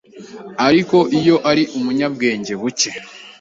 ariko iyo ari umunyabwenge buke,